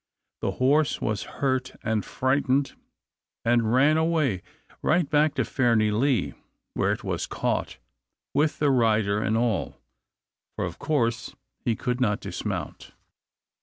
The horse was hurt and frightened, and ran away right back to Fairnilee, where it was caught, with the rider and all, for of course he could not dismount.